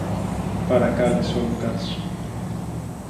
παρακάλεσε ο Λουκάς.